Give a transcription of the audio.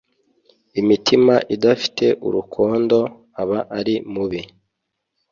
imitima idafite urukondo aba ari mubi